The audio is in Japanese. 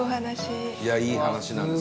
伊達：いや、いい話なんです。